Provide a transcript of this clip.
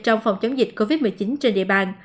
trong phòng chống dịch covid một mươi chín trên địa bàn